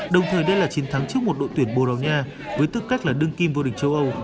đồng thời đây là chiến thắng trước một đội tuyển borogna với tư cách là đương kim vô đỉnh châu âu